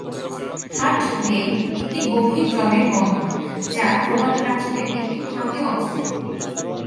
হাট বে একটি গভীর জলের বন্দর, যা প্রবাল প্রাচীরের একটি ফাঁকে অবস্থিত।